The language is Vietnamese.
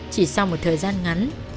chỉ sau một thời gian ngắn